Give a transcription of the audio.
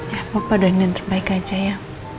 ya papa doain yang terbaik aja ya